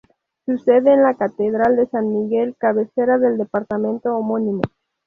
Su sede es la Catedral de San Miguel, cabecera del departamento homónimo.